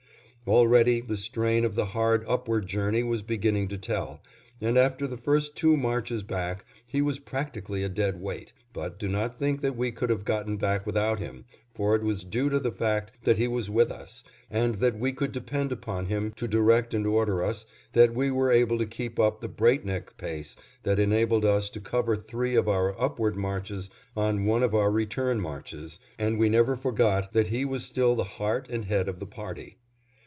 Already the strain of the hard upward journey was beginning to tell, and after the first two marches back, he was practically a dead weight, but do not think that we could have gotten back without him, for it was due to the fact that he was with us, and that we could depend upon him to direct and order us, that we were able to keep up the break neck pace that enabled us to cover three of our upward marches on one of our return marches, and we never forgot that he was still the heart and head of the party.